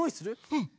うん！